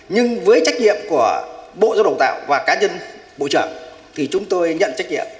nhưng với trách nhiệm của bộ giáo đồng tạo và cá nhân bộ trưởng thì chúng tôi nhận trách nhiệm